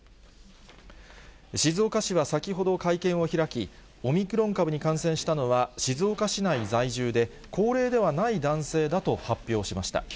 静岡市は先ほど会見を開き、オミクロン株に感染したのは、静岡市内在住で、高齢ではない男性だと発表しました。